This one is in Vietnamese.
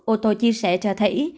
ô tô chia sẻ cho thấy